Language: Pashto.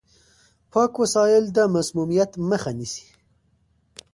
پاک وسايل د مسموميت مخه نيسي.